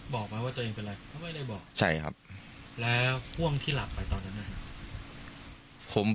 บอกไหมว่าตัวเองเป็นอะไรก็ไม่ได้บอกใช่ครับแล้วพ่วงที่หลับไปตอนนั้นนะครับ